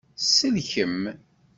Tselkem.